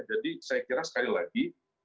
jadi saya kira sekali lagi